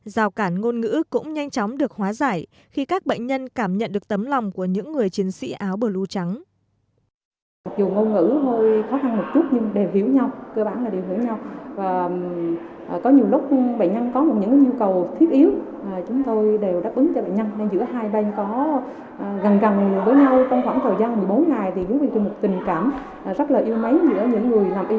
dào cản ngôn ngữ cũng nhanh chóng được hóa giải khi các bệnh nhân cảm nhận được tấm lòng của những người chiến sĩ áo bờ lưu trắng